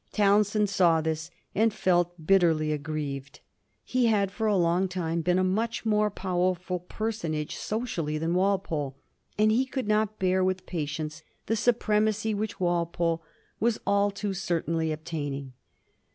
Townshend saw this, and felt bitterly aggrieved. He had for a long time been a much more powerful personage socially than Walpole, and he could not bear with patience the supremacy which Walpole was all too certainly obtaining.